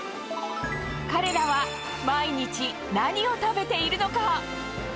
彼らは、毎日、何を食べているのか。